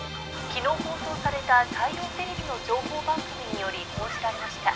昨日放送された大洋テレビの情報番組により報じられました。